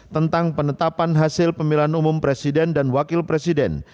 tentang penetapan hasil pemilihan umum presiden dan wakil presiden